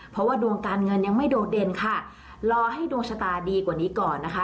เพราะว่าดวงการเงินยังไม่โดดเด่นค่ะรอให้ดวงชะตาดีกว่านี้ก่อนนะคะ